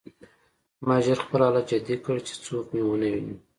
ما ژر خپل حالت جدي کړ چې څوک مې ونه ویني